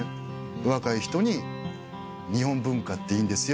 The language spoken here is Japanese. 若い人に日本文化っていいんですよ